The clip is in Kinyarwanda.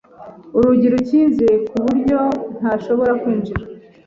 Urugi rukinze, ku buryo ntashobora kwinjira.